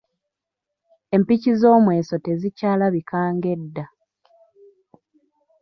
Empiki z’omweso tezikyalabika ng’edda.